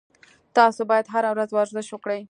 تاسو باید هر ورځ ورزش وکړئ